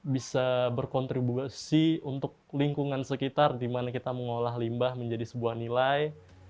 bisa berkontribusi untuk lingkungan sekitar dimana kita mengolah limbah menjadi sebuah nilai